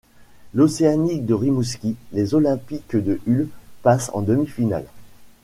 L'Océanic de Rimouski, les Olympiques de Hull passent en demi-finale.